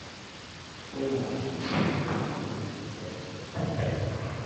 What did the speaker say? Fue un agrimensor, político y diputado chileno.